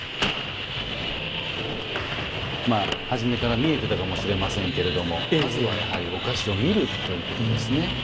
まあ初めから見えてたかもしれませんけれどもまずはやはりお菓子を「見る」ということですね。